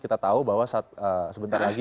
kita tahu bahwa sebentar lagi